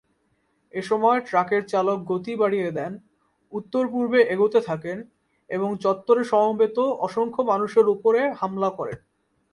এ'সময় ট্রাকের চালক গতি বাড়িয়ে দেন, উত্তর-পূর্বে এগোতে থাকেন এবং চত্বরে সমবেত অসংখ্য মানুষের উপরে হামলা করেন।